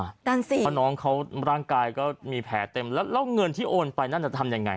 นั่นสิเพราะน้องเขาร่างกายก็มีแผลเต็มแล้วแล้วเงินที่โอนไปนั่นจะทำยังไง